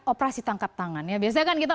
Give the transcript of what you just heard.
operasi tangkap tangan ya biasanya kan kita